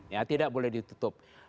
ya tidak boleh ditutup